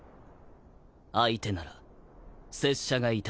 相手なら拙者がいたす。